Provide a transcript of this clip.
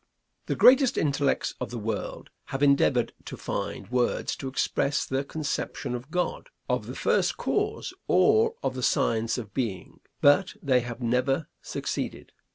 The greatest intellects of the world have endeavored to find words to express their conception of God, of the first cause, or of the science of being, but they have never succeeded.